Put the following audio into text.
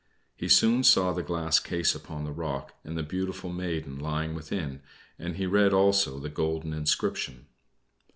He soon saw the glass case upon the rock, and the beautiful maiden lying within, and he read also the golden inscription.